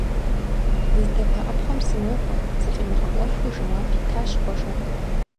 - ДыздэвгъэӀэпхъуэм сынокӀуэ, - зыфӀимыгъэӀуэхуу жэуап итащ Хъуэжэ.